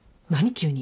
急に。